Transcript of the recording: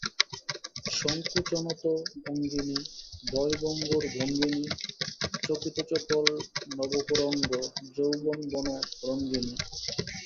সংকোচনত-অঙ্গিণী, ভয়ভঙ্গুরভঙ্গিনী, চকিতচপল নবকুরঙ্গ যৌবনবনরঙ্গিণী।